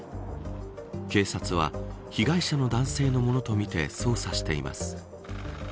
警察は被害者の男性のものとみて捜査しています。